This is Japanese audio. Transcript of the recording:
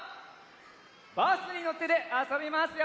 「バスにのって」であそびますよ！